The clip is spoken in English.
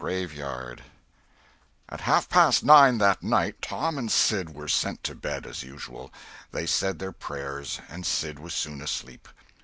CHAPTER IX AT half past nine, that night, Tom and Sid were sent to bed, as usual. They said their prayers, and Sid was soon asleep.